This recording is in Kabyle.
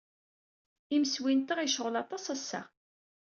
Imsewwi-nteɣ yecɣel aṭas ass-a.